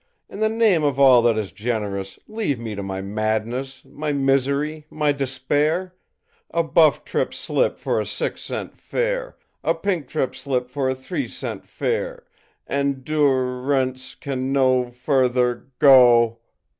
In the name of all that is generous, leave me to my madness, my misery, my despair! a buff trip slip for a six cent fare, a pink trip slip for a three cent fare endu rance can no fur ther go!